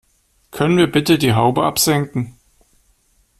Können wir bitte die Haube absenken?